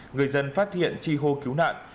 người dân phát hiện tri hô cứu nạn